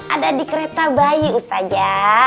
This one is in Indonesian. ada di kereta bayi usta ja